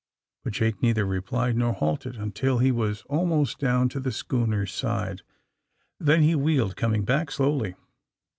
But Jake neither replied nor halted, until he was almost down to the schooner's side. Then he wheeled, coming back, slowly.